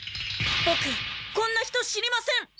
ボクこんな人知りません！